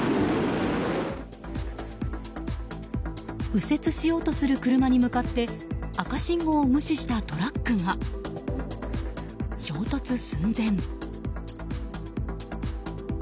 右折しようとする車に向かって赤信号を無視したトラックが衝突寸前。